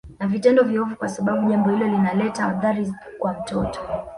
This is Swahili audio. na vitendo viovu kwa sababu jambo hilo linaleta athari kwa mtoto